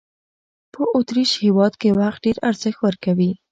په اوترېش هېواد کې وخت ډېر ارزښت ورکوي.